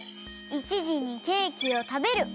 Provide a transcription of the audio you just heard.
１じにケーキをたべる。